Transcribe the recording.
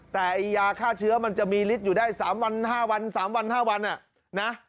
แต่ยาฆ่าเชื้อมันจะมีฤทธิ์อยู่ได้๓วัน๕วัน๓วัน๕วันนะ